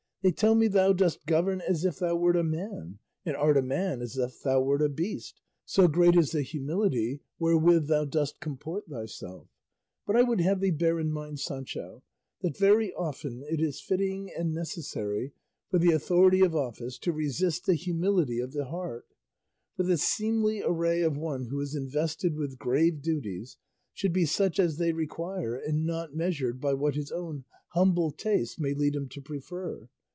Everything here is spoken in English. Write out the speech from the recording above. They tell me thou dost govern as if thou wert a man, and art a man as if thou wert a beast, so great is the humility wherewith thou dost comport thyself. But I would have thee bear in mind, Sancho, that very often it is fitting and necessary for the authority of office to resist the humility of the heart; for the seemly array of one who is invested with grave duties should be such as they require and not measured by what his own humble tastes may lead him to prefer.